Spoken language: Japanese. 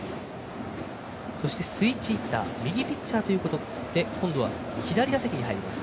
そして、スイッチヒッター右ピッチャーということで今度は左打席に入ります